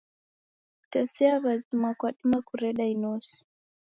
Kutesia w'azima kwadima kureda inose.